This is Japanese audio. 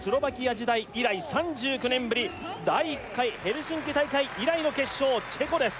時代以来３９年ぶり第１回ヘルシンキ大会以来の決勝チェコです